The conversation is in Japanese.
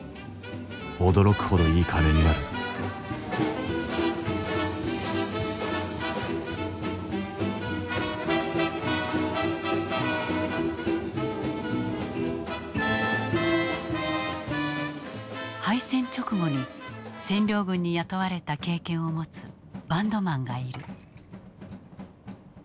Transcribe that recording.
驚くほどいい金になる敗戦直後に占領軍に雇われた経験を持つバンドマンがいる。